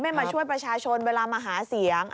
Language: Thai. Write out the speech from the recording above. มาช่วยประชาชนเวลามาหาเสียง